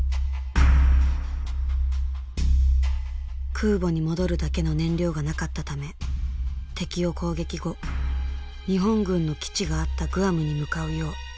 空母に戻るだけの燃料がなかったため敵を攻撃後日本軍の基地があったグアムに向かうよう指示されていたのだ。